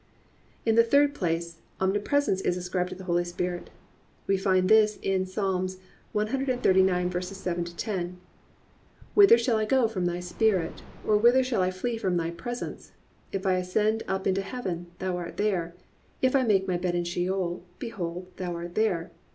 (3) In the third place, omnipresence is ascribed to the Holy Spirit. We find this in Psalms 139:7 10: +"Whither shall I go from thy Spirit? or whither shall I flee from thy presence? If I ascend up into heaven, thou art there: if I make my bed in Sheol, behold, thou art there.